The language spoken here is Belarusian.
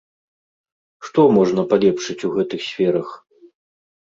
Што можна палепшыць у гэтых сферах?